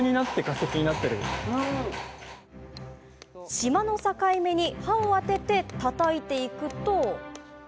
しまの境目に刃を当ててたたいていくと。